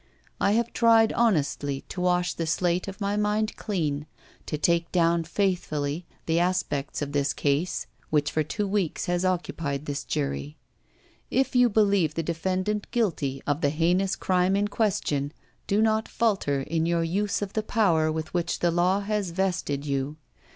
I have tried honestly to wash the slate of my mind dean to take down faithfully the aspects of this case which for two weeks has occupied this jury. If you believe the defendant guilty of the heinous crime in question, do not falter in your use of the power with which the law has vested you.